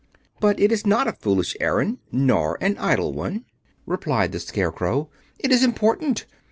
"But it is not a foolish errand, nor an idle one," replied the Scarecrow; "it is important.